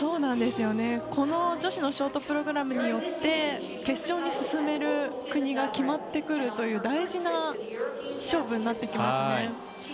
この女子のショートプログラムによって決勝に進める国が決まってくる大事な勝負になってきます。